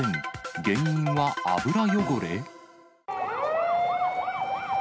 原因は油汚れ？